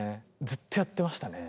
ずっとやってましたね。